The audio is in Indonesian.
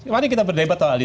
mari kita berdebat soal ali